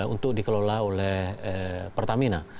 untuk dikelola oleh pertamina